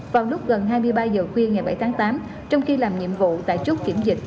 vào lúc gần hai mươi ba giờ khuya ngày bảy tháng tám trong khi làm nhiệm vụ tại chốt kiểm dịch